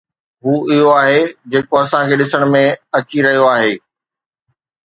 اھو اھو آھي جيڪو اسان کي ڏسڻ ۾ اچي رھيو آھي.